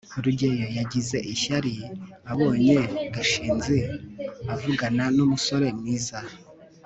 rugeyo yagize ishyari abonye gashinzi avugana numusore mwiza